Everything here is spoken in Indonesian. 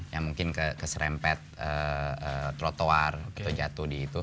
yang mungkin keserempet trotoar atau jatuh